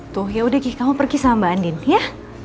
tuh yaudah kih kamu pergi sama mbak andin ya